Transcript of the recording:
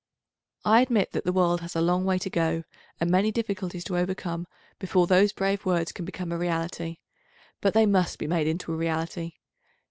I admit that the world has a long way to go, and many difficulties to overcome, before those brave words can become a reality, but they must be made into a reality.